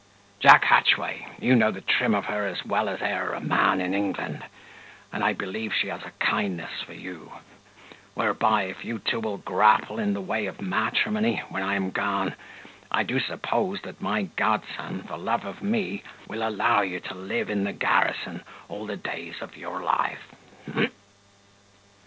Jack Hatchway, you know the trim of her as well as e'er a man in England, and I believe she has a kindness for you; whereby, if you two will grapple in the way of matrimony, when I am gone, I do suppose that my godson, for love of me, will allow you to live in the garrison all the days of your life."